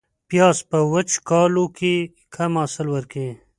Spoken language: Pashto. پیاز په وچکالو کې کم حاصل ورکوي